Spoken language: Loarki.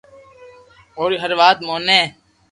اوري ھر وات موني